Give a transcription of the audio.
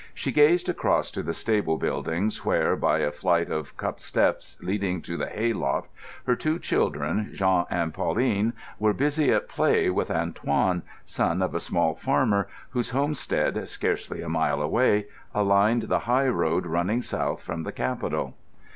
She gazed across to the stable buildings where, by a flight of cup steps leading to the hay loft, her two children, Jean and Pauline, were busy at play with Antoine, son of a small farmer, whose homestead, scarcely a mile away, aligned the high road running south from the capital.